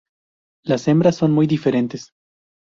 Las hembras son muy diferentes.